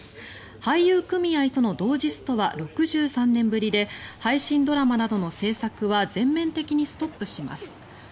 俳優組合との同時ストは６３年ぶりで配信ドラマなどの制作は全面ストップします。